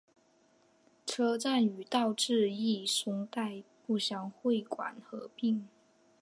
车站与道之驿松代故乡会馆合并。